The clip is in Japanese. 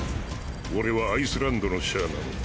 俺はアイスランドのシャーマン。